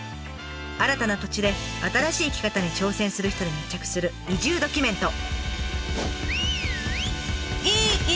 新たな土地で新しい生き方に挑戦する人に密着する移住ドキュメント。